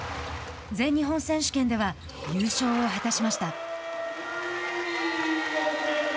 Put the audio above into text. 全日本選手権では優勝を果たしました。